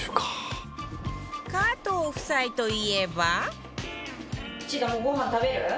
加藤夫妻といえば